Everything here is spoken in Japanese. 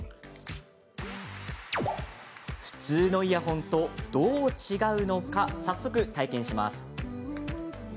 普通のイヤホンとどう違うのか早速、体験します。